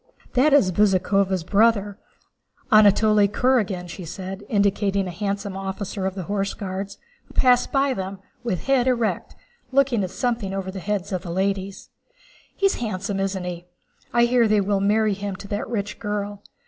"That is Bezúkhova's brother, Anatole Kurágin," she said, indicating a handsome officer of the Horse Guards who passed by them with head erect, looking at something over the heads of the ladies. "He's handsome, isn't he? I hear they will marry him to that rich girl.